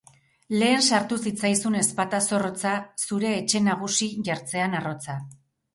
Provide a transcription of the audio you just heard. Lehen sartu zitzaizun ezpata zorrotza, zure etxe-nagusi jartzean arrotza.